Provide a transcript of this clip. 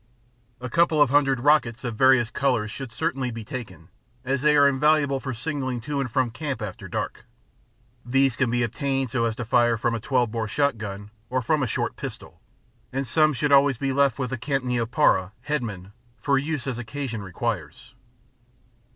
A couple of hundred rockets of various colours should certainly be taken, as they are invaluable for signalling to and from camp after dark. These can be obtained so as to fire from a 12 bore shot gun or from a short pistol, and some should always be left with the camp neopara (Headman) for use as occasion requires.